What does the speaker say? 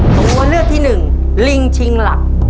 ตัวเลือกที่หนึ่งลิงชิงหลัก